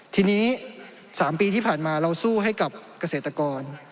ทีนี้๓ปีที่ผ่านมาเราสู้ให้กับเกษตรกร